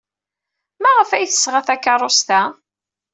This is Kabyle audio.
Maɣef ay d-tesɣa takeṛṛust-a?